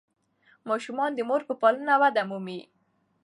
ماشومان د مور په پالنه وده مومي.